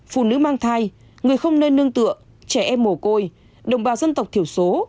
phụ nữ mang thai người không nơi nương tựa trẻ em mồ côi đồng bào dân tộc thiểu số